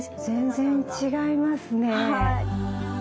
全然違いますね。